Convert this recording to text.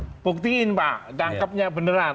dibuktiin pak tangkapnya beneran